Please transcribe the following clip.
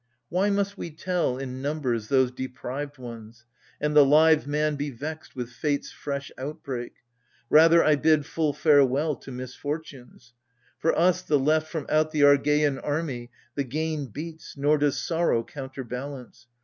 Why must we tell in numbers those deprived ones, And the live m^n be vexed with fate's fresh outbreak ? Rather, I bid full farewell to misfortunes ! For us, the left from out the Argeian army, The gain beats, nor does sorrow counterbalance.